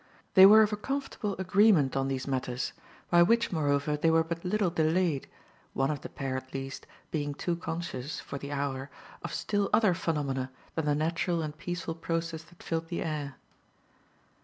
They were of a comfortable agreement on these matters, by which moreover they were but little delayed, one of the pair at least being too conscious, for the hour, of still other phenomena than the natural and peaceful process that filled the air.